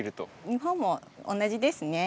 日本も同じですね。